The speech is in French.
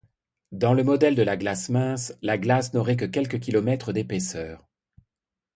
Dans le modèle de la glace mince, la glace n'aurait que quelques kilomètres d'épaisseur.